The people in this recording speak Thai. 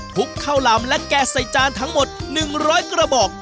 ข้าวลำและแก่ใส่จานทั้งหมด๑๐๐กระบอก